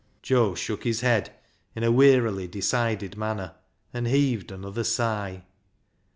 Joe shook his head in a wearily decided manner, and heaved another sigh.